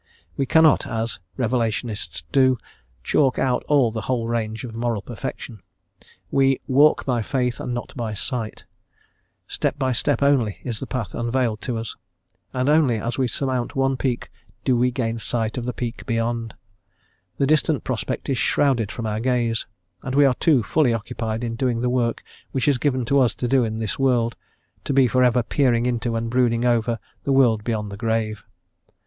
We cannot, as revelationists do, chalk out all the whole range of moral perfection: we "walk by faith and not by sight:" step by step only is the path unveiled to us, and only as we surmount one peak do we gain sight of the peak beyond: the distant prospect is shrouded from our gaze, and we are too fully occupied in doing the work which is given us to do in this world, to be for ever peering into and brooding over the world beyond the grave.